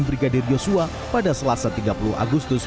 brigadir yosua pada selasa tiga puluh agustus